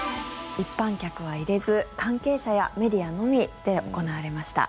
一般客は入れず、関係者やメディアのみで行われました。